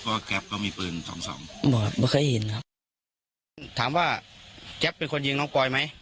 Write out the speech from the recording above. เพราะแก๊ปก็มีปืนสองสองครับไม่เคยเห็นครับถามว่าแก๊ปเป็นคนยิงน้องปอยไหม